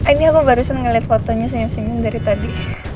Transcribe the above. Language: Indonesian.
ini aku barusan ngeliat fotonya senyum senyum dari tadi